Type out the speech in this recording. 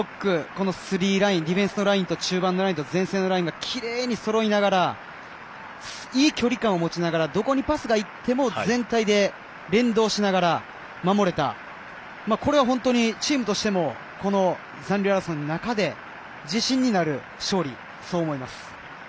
この３ラインディフェンスのラインと中盤のライン前線の間にきれいにそろいながらいい距離感を持ちながらどこにパスがいっても全体で連動しながらチームとしても残留争いの中で自信のある勝利だと思います。